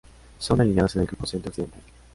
Son alineados en el Grupo Centro Occidental.